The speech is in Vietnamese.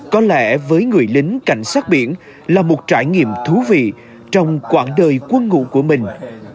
có lẽ với người lính cảnh sát biển là một trải nghiệm thú vị trong quãng đời quân ngũ của mình